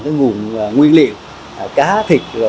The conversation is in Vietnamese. cái nguồn nguyên liệu cá thịt